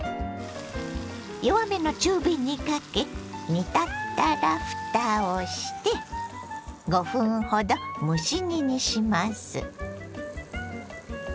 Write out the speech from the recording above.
弱めの中火にかけ煮立ったらふたをして５分ほど蒸し煮にします。